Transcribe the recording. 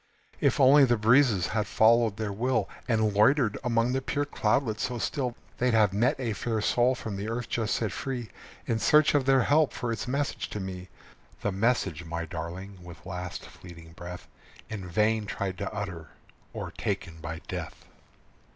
If only the breezes had followed their will, And loitered among the pure cloudlets so still, They'd have met a fair soul from the earth just set free In search of their help for its message to me; The message my darling, with last fleeting breath, In vain tried to utter, o'ertaken by death.